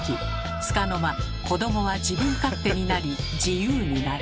つかの間子どもは自分勝手になり自由になる。